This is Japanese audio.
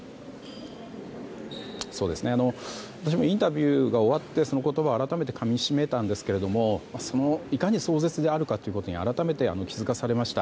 私もインタビューが終わって、その言葉を改めてかみしめんですけどいかに壮絶あるかということに改めて気づかされました。